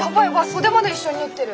袖まで一緒に縫ってる。